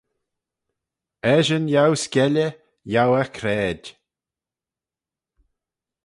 Eshyn yiow skielley yiow eh craid